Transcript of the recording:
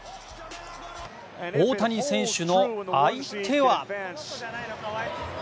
大谷選手の相手は。